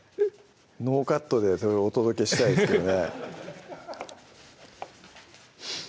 ノーカットでお届けしたいですけどね